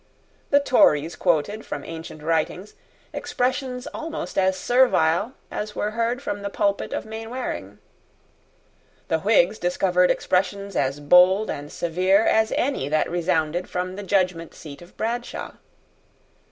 The Tories quoted, from ancient writings, expressions almost as servile as were heard from the pulpit of Mainwaring. The Whigs discovered expressions as bold and severe as any that resounded from the judgment seat of Bradshaw.